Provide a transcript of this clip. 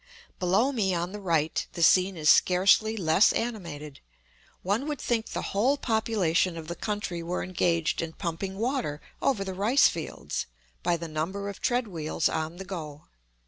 Below me on the right the scene is scarcely less animated; one would think the whole population of the country were engaged in pumping water over the rice fields, by the number of tread wheels on the go.